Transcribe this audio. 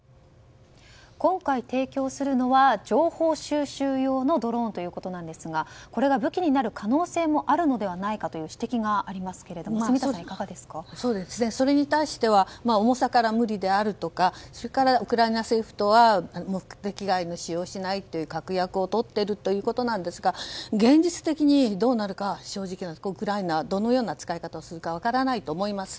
今回、提供するのは情報収集用のドローンということですがこれが武器になる可能性もあるのではないかという指摘がありますけどもそれに対しては重さから無理であるとかウクライナ政府とは目的外の使用をしないと確約をとっているということなんですが現実的にどうなるかは正直、ウクライナがどのような使い方をするか分からないと思います。